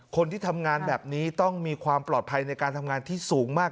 คนที่ทำงานแบบนี้ต้องมีความปลอดภัยในการทำงานที่สูงมาก